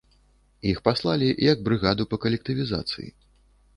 Іх паслалі як брыгаду па калектывізацыі.